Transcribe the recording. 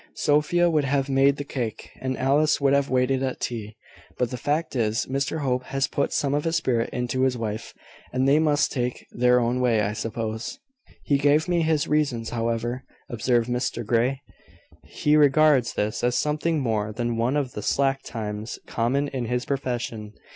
Sophia would have made the cake, and Alice would have waited at tea. But the fact is, Mr Hope has put some of his spirit into his wife, and they must take their own way, I suppose." "He gave me his reasons, however," observed Mr Grey. "He regards this as something more than one of the slack times common in his profession.